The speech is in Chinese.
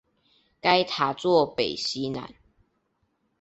该塔座北面南。